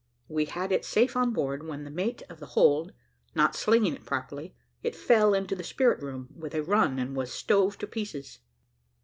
We had it safe on board, when the mate of the hold, not slinging it properly, it fell into the spirit room with a run and was stove to pieces.